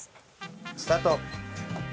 スタート。